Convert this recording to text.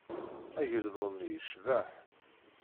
Ageldun-nni yecbeḥ.